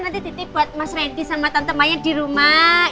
nanti dititip buat mas randy sama tante mayang di rumah